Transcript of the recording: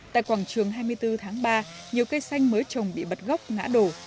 tại quảng trường hai mươi bốn tháng ba nhiều cây xanh mới trồng bị bật gốc ngã đổ